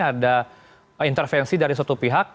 ada intervensi dari satu pihak